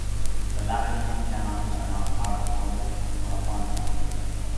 The latter two towns are now part of North Tonawanda.